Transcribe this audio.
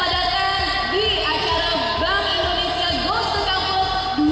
selamat datang di acara bank indonesia gosekamu dua ribu tujuh belas